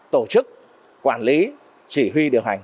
tổ chức quản lý chỉ huy